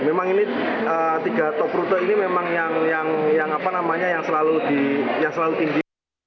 memang ini tiga top rute ini memang yang selalu tinggi